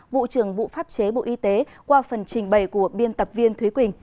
vụ trưởng vụ pháp chế bộ y tế qua phần trình bày của biên tập viên thúy quỳnh